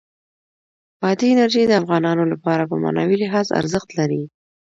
بادي انرژي د افغانانو لپاره په معنوي لحاظ ارزښت لري.